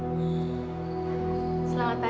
salah satu anaknya